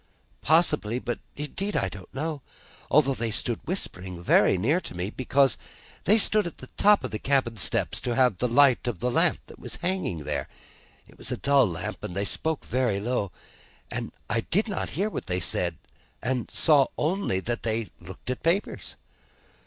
"Possibly, but indeed I don't know, although they stood whispering very near to me: because they stood at the top of the cabin steps to have the light of the lamp that was hanging there; it was a dull lamp, and they spoke very low, and I did not hear what they said, and saw only that they looked at papers."